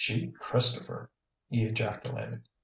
"Gee Christopher!" he ejaculated.